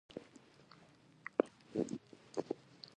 د هر ډول ناوړه اغېز له امله خپله ژوره پښیماني څرګندوم.